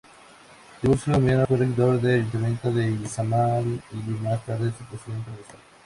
Tiburcio Mena fue regidor del Ayuntamiento de Izamal y más tarde su Presidente Municipal.